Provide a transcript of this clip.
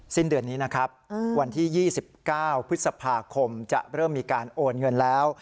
สิ้นเดือนนี้นะครับวันที่๒๙พฤษภาคมจะเริ่มมีการโอนเงินแล้ว